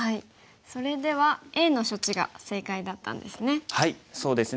それではＡの処置が正解だったんですね。